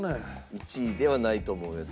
１位ではないと思うやつ。